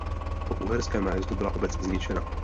Po uherském nájezdu byla obec zničena.